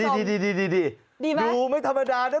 ดูไม่ธรรมดานะ